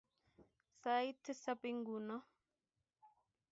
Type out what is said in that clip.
Sait tisap inguni.